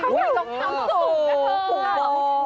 สองเท้าสูง